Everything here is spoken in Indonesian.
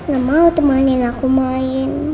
gak mau temannya aku main